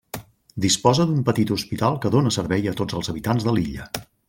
Disposa d'un petit hospital que dóna servei a tots els habitants de l'illa.